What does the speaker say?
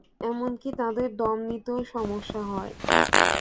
এমনকি তাঁদের দম নিতেও সমস্যা হয়।